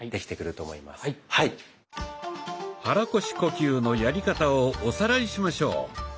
肚腰呼吸のやり方をおさらいしましょう。